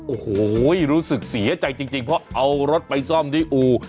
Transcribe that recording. โอ้โหรู้สึกเสียใจจริงเพราะเอารถไปซ่อมที่อู่